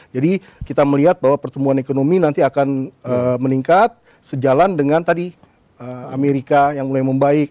jadi kita melihat bahwa pertumbuhan ekonomi nanti akan meningkat sejalan dengan tadi amerika yang mulai membaik